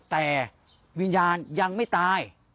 แต่วิญญาณยังไม่ตาย